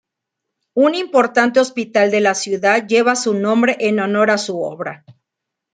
Un importante hospital de la ciudad lleva su nombre en honor a su obra.